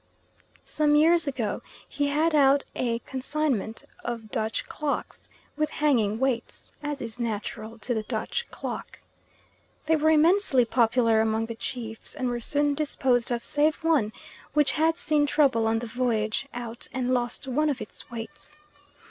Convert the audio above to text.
Some years ago he had out a consignment of Dutch clocks with hanging weights, as is natural to the Dutch clock. They were immensely popular among the chiefs, and were soon disposed of save one, which had seen trouble on the voyage out and lost one of its weights.